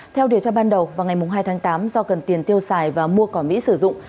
theo điều tra ban đầu vào ngày hai tháng tám do cần tiền tiêu xài và mua cỏ mỹ sử dụng